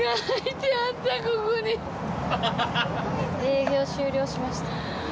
営業終了しました。